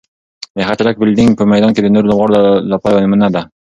د هغه چټک فیلډینګ په میدان کې د نورو لوبغاړو لپاره یوه نمونه ده.